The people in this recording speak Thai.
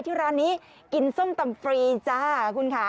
ที่ร้านนี้กินส้มตำฟรีจ้าคุณค่ะ